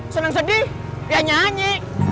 senang sedih ya nyanyi